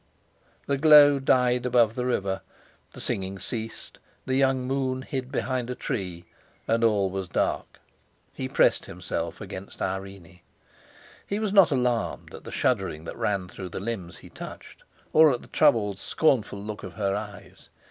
The glow died above the river, the singing ceased; the young moon hid behind a tree, and all was dark. He pressed himself against Irene. He was not alarmed at the shuddering that ran through the limbs he touched, or at the troubled, scornful look of her eyes.